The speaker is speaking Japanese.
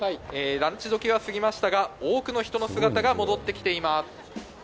ランチどきは過ぎましたが、多くの人の姿が戻ってきています。